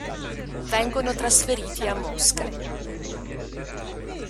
Vengono trasferiti a Mosca.